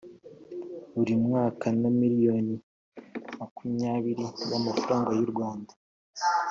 buri mwaka na miriyoni makumyabiri y’amafaranga y’ u Rwanda